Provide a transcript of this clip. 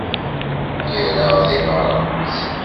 Ira ad iɣer aɣmis.